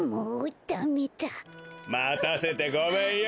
またせてごめんよ。